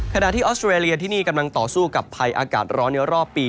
ขณะที่ออสเตรเลียที่นี่กำลังต่อสู้กับภัยอากาศร้อนในรอบปี